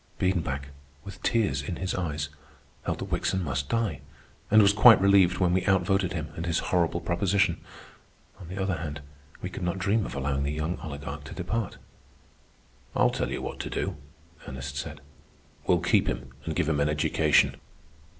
Biedenbach, with tears in his eyes, held that Wickson must die, and was quite relieved when we outvoted him and his horrible proposition. On the other hand, we could not dream of allowing the young oligarch to depart. "I'll tell you what to do," Ernest said. "We'll keep him and give him an education."